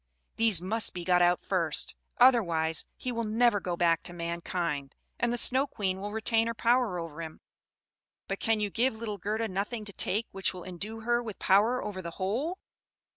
These must be got out first; otherwise he will never go back to mankind, and the Snow Queen will retain her power over him." "But can you give little Gerda nothing to take which will endue her with power over the whole?"